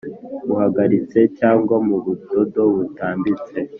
buhagaritse cyangwa mu budodo butambitse